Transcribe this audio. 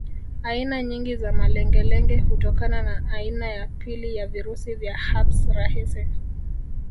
Aina nyingi za malengelenge hutokana na aina ya pili ya virusi vya herpes rahisi